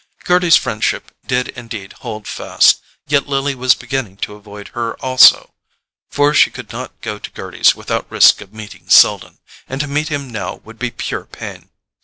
Gerty's friendship did indeed hold fast; yet Lily was beginning to avoid her also. For she could not go to Gerty's without risk of meeting Selden; and to meet him now would be pure pain.